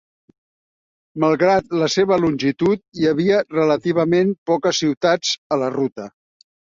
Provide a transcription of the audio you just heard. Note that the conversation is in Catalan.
Malgrat la seva longitud, hi havia relativament poques ciutats a la ruta.